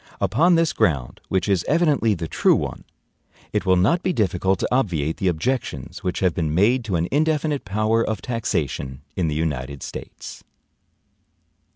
Upon this ground, which is evidently the true one, it will not be difficult to obviate the objections which have been made to an indefinite power of taxation in the United States.